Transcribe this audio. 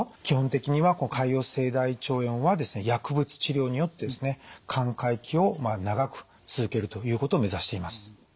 基本的には潰瘍性大腸炎はですね薬物治療によってですね寛解期を長く続けるということを目指しています。